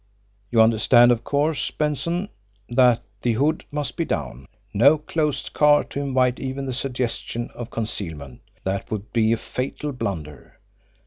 You understand, of course, Benson, that the hood must be down no closed car to invite even the suggestion of concealment that would be a fatal blunder.